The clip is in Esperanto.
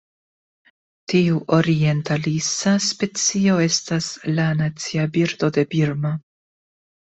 Tiu orientalisa specio estas la nacia birdo de Birmo.